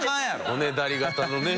おねだり型のね。